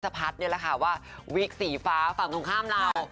นี่แหละค่ะว่าวิกสีฟ้าฝั่งตรงข้ามเรา